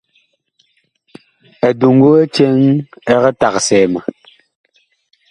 Eduŋgu ɛ cɛŋ ɛg tagsɛɛ ma.